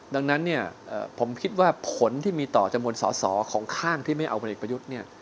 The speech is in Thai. ดังนั้นผมคิดว่าผลที่มีต่อจมูลสอของข้างที่ไม่เอาพระเอกประยุทธ์